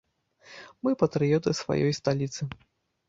Мы патрыёты сваёй сталіцы.